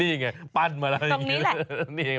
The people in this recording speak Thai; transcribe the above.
นี่ไงปันมาแล้วตรงนี้แหละ